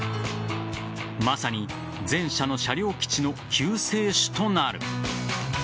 まさに全社の車両基地の救世主となる。